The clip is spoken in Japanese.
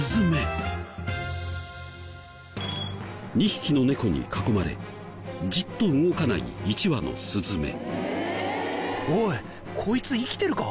２匹の猫に囲まれじっと動かない１羽のスズメ。